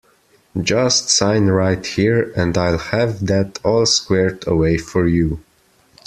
Just sign right here and I’ll have that all squared away for you.